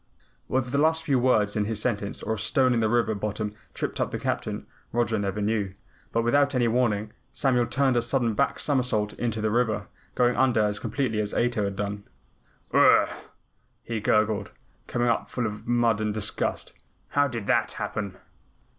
Whether the last few words in this sentence or a stone in the river bottom tripped up the Captain, Roger never knew, but without any warning Samuel turned a sudden back somersault into the river, going under as completely as Ato had done. "Ugh gr ugh!" he gurgled, coming up full of mud and disgust. "How did that happen?"